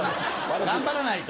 頑張らないと。